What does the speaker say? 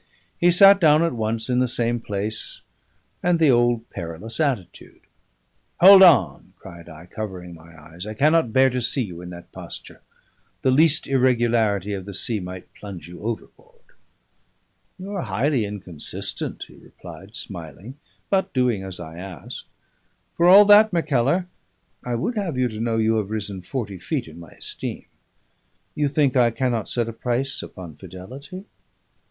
He sat down at once in the same place and the old perilous attitude. "Hold on!" cried I, covering my eyes. "I cannot bear to see you in that posture. The least irregularity of the sea might plunge you overboard." "You are highly inconsistent," he replied, smiling, but doing as I asked. "For all that, Mackellar, I would have you to know you have risen forty feet in my esteem. You think I cannot set a price upon fidelity?